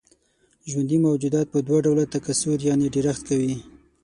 ژوندي موجودات په دوه ډوله تکثر يعنې ډېرښت کوي.